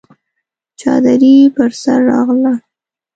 چادري پر سر راغله!